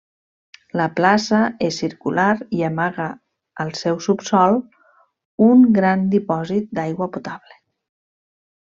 La plaça és circular i amaga al seu subsòl un gran dipòsit d'aigua potable.